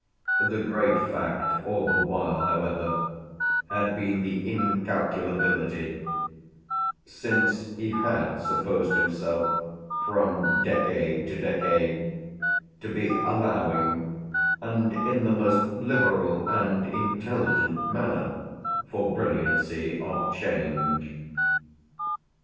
The great fact all the while, however, had been the incalculability; since he had supposed himself, from decade to decade, to be allowing, and in the most liberal and intelligent manner, for brilliancy of change.